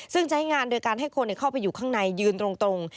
ซึ่งใช้งานโดยการให้คนเข้าไปอยู่ข้างในยืนตรง